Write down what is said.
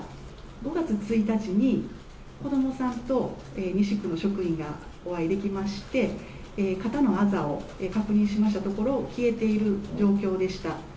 ５月１日に、子どもさんと西区の職員がお会いできまして、肩のあざを確認しましたところ、消えている状況でした。